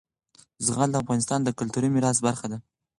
زغال د افغانستان د کلتوري میراث برخه ده.